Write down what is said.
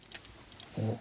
おっ。